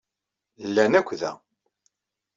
Llan akk da.